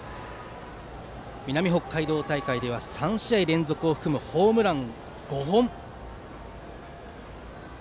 南北海道大会では３試合連続を含むホームラン５本。